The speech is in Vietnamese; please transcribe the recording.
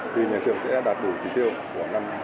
thì nhà trường sẽ đạt đủ trí tiêu của năm hai nghìn hai mươi